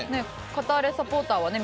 カターレサポーターはね